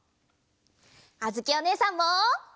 あづきおねえさんも！